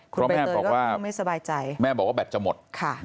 เพราะแม่บอกว่าแม่บอกว่าแบตจะหมด